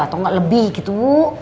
atau nggak lebih gitu bu